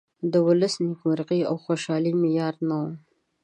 د ولس نیمکرغي او خوشالي معیار نه ؤ.